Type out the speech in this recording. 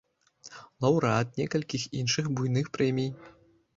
Лаўрэат некалькіх іншых буйных прэмій.